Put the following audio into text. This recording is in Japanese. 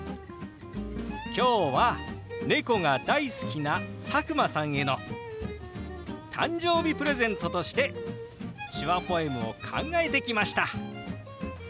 今日は猫が大好きな佐久間さんへの誕生日プレゼントとして手話ポエムを考えてきました。